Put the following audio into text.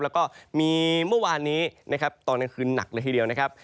แล้วก็มีเมื่อวานนี้ตอนนั้นคืนนักละทีเดียวนะครับ